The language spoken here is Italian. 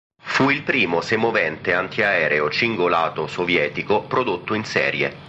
Fu il primo semovente antiaereo cingolato sovietico prodotto in serie.